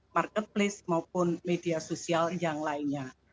marketplace maupun media sosial yang lainnya